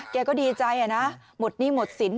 แกก็ดีใจนะหมดนี่หมดศิลป์